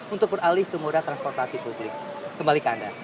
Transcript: untuk beralih ke moda transportasi publik kembali ke anda